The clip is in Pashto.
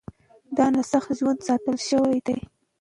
دا نسج ژوندي ساتل شوی دی.